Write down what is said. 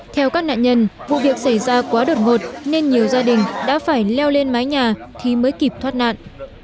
theo các nạn nhân vụ việc xảy ra quá đột ngột nên nhiều gia đình đã phải leo lên mái nhà thì mới kịp thoát nạn